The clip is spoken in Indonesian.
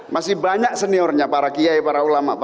masih banyak seniornya para kiai para ulama